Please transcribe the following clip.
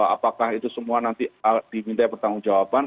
apakah itu semua nanti diminta pertanggungjawaban